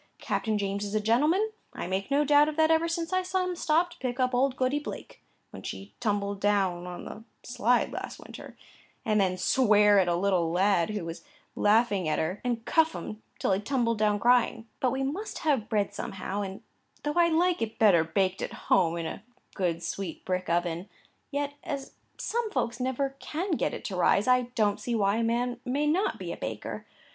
Captain James is a gentleman; I make no doubt of that ever since I saw him stop to pick up old Goody Blake (when she tumbled down on the slide last winter) and then swear at a little lad who was laughing at her, and cuff him till he tumbled down crying; but we must have bread somehow, and though I like it better baked at home in a good sweet brick oven, yet, as some folks never can get it to rise, I don't see why a man may not be a baker.